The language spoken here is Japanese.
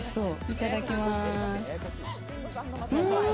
いただきます。